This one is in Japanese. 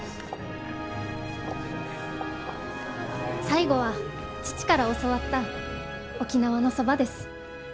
最後は父から教わった沖縄のそばです。